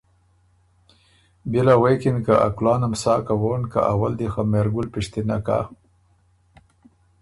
بيې له غوېکِن که ا کُلانم سا کوون که اول دی خۀ مهرګل پِشتِنه کَۀ